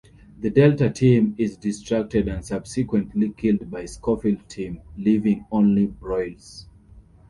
The Delta team is distracted and subsequently killed by Schofield's team, leaving only Broyles.